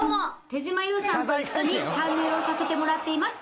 手島優さんと一緒にチャンネルをさせてもらっています。